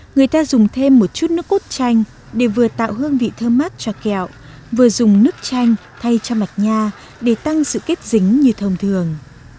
người ta dùng thêm một chút nước cốt chanh để vừa tạo hương vị thơm mát cho kẹo vừa dùng nước chanh thay cho mạch nha để tăng sự kết dính như thông thường